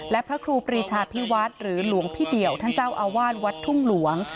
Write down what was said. และพระครูปรีชาพิวัฒน์หรือหลวงพี่เดี่ยวท่านเจ้าอาวาสวัดทุ่งหลวง